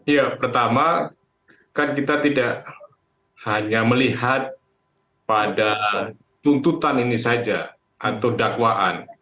ya pertama kan kita tidak hanya melihat pada tuntutan ini saja atau dakwaan